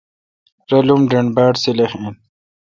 رالم ڈنڈ باڑ سیلح این۔